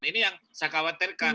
ini yang saya khawatirkan